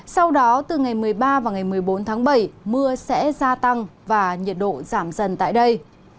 sau đó từ ngày một mươi ba và ngày một mươi bốn tháng bảy mưa sẽ gia tăng và nhiệt độ giảm dần tại đây